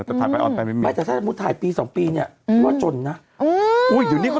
แต่ถ่ายไปออนไปเนี้ยไม่ค่อยเห็นอะไรปีสองปีนี่มีเออ